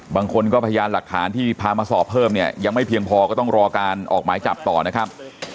บางคนก็พยานหลักฐานที่พามาสอบเพิ่มเนี่ยยังไม่เพียงพอก็ต้องรอการออกหมายจับต่อนะครับ